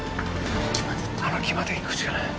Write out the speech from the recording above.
あの木まで行くしかない。